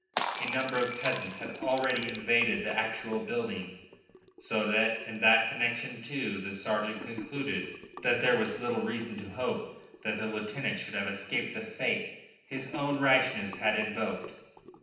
A number of peasants had already invaded the actual building, so that in that connection too the sergeant concluded that there was little reason to hope that the lieutenant should have escaped the fate his own rashness had invoked.